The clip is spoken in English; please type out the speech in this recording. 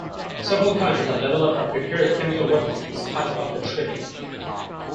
Several countries have deployed or prepared chemical weapons in spite of the treaty.